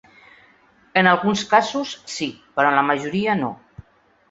En alguns casos, sí, però en la majoria no.